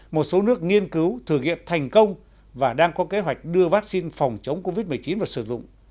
một số nước nghiên cứu thử nghiệm thành công và đang có kế hoạch đưa vaccine phòng chống covid một mươi chín vào sử dụng